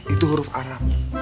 itu huruf arab